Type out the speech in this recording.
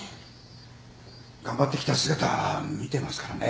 頑張ってきた姿見てますからね。